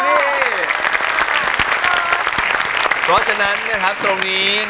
เพราะฉะนั้นตรงนี้